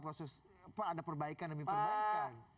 proses ada perbaikan demi perbaikan